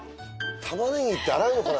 玉ねぎって洗うのかな？